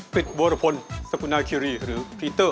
วรพลสกุณาคิรีหรือพีเตอร์